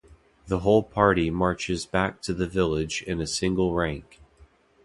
The whole party marches back to the village in a single rank.